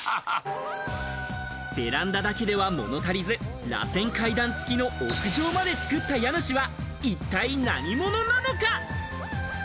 ベランダだけでは物足りず、螺旋階段付きの屋上まで作った家主は一体何者なのか？